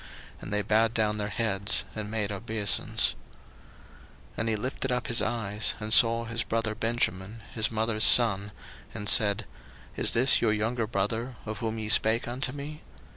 And they bowed down their heads, and made obeisance. 01:043:029 And he lifted up his eyes, and saw his brother Benjamin, his mother's son, and said, Is this your younger brother, of whom ye spake unto me?